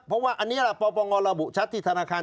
เพราะว่าอันนี้ล่ะปปงระบุชัดที่ธนาคาร